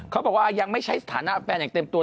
เขาบอกว่ายังไม่ใช้สถานะแฟนอย่างเต็มตัว